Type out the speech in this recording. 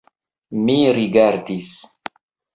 Mi rigardis.